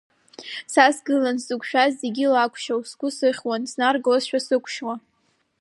Са сгылан, сзықәшәаз зегьы лакәшьо, сгәы сыхьуан, снаргозшәа сықәшьуа, …